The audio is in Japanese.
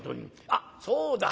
「あっそうだ。